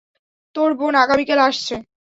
তোর বোন আগামীকাল আসছে।